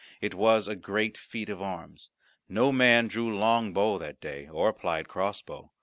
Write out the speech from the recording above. It was a great feat of arms. No man drew long bow that day or plied cross bow.